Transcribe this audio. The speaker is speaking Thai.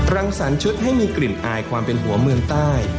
รังสรรค์ชุดให้มีกลิ่นอายความเป็นหัวเมืองใต้